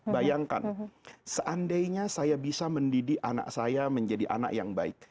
bayangkan seandainya saya bisa mendidik anak saya menjadi anak yang baik